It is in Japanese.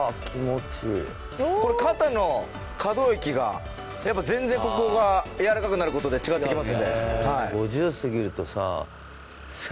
肩の可動域がやっぱ全然ここがやわらかくなる事で違ってきますんで。